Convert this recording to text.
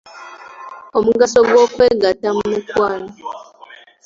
Omugaso gw'okwegatta mu mukwano.